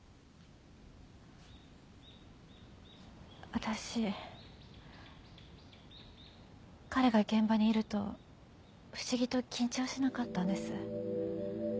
私彼が現場にいると不思議と緊張しなかったんです。